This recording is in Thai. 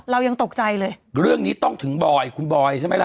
เรายังตกใจเลยเรื่องนี้ต้องถึงบอยคุณบอยใช่ไหมล่ะ